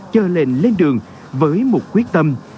chờ lệnh lên đường với một quyết tâm